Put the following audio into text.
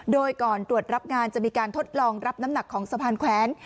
โดยก่อนตรวจรับงานจะมีการทดลองรับน้ำหนักของสะพานแขวน